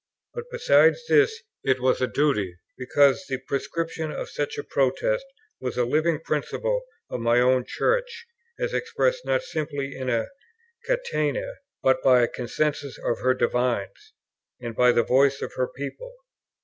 But besides this, it was a duty, because the prescription of such a protest was a living principle of my own Church, as expressed not simply in a catena, but by a consensus of her divines, and by the voice of her people.